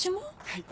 はい！